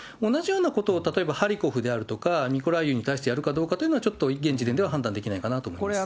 同じようなことを例えば、ハリコフであるとかミコライウに対してやるかどうかというのは、現時点では判断できないかなと思います。